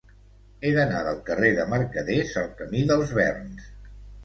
He d'anar del carrer de Mercaders al camí dels Verns.